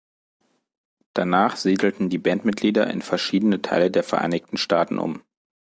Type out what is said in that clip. Danach siedelten die Bandmitglieder in verschiedene Teile der Vereinigten Staaten um.